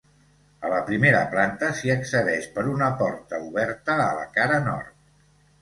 A la primera planta s'hi accedeix per una porta oberta a la cara nord.